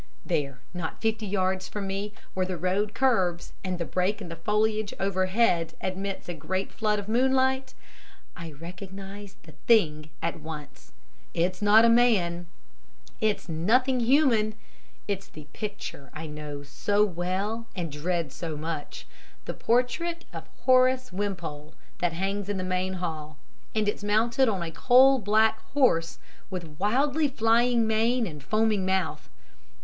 There, not fifty yards from me, where the road curves, and the break in the foliage overhead admits a great flood of moonlight. I recognize the "thing" at once; it's not a man, it's nothing human, it's the picture I know so well and dread so much, the portrait of Horace Wimpole, that hangs in the main hall and it's mounted on a coal black horse with wildly flying mane and foaming mouth.